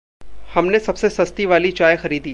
हमने सबसे सस्ती वाली चाय खरीदी।